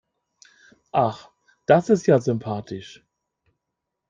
Ach, das ist ja sympathisch.